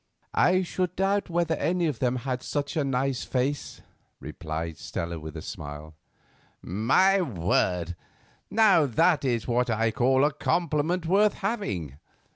"I should doubt whether any of them had such a nice face," replied Stella with a smile. "My word! Now, that is what I call a compliment worth having.